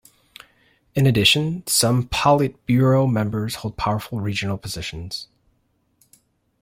In addition, some Politburo members hold powerful regional positions.